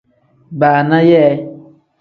Baana yee.